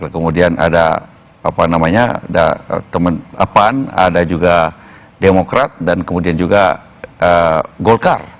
kemudian ada apa namanya ada temen ada juga demokrat dan kemudian juga golkar